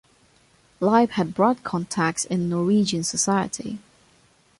Leib had broad contacts in Norwegian society.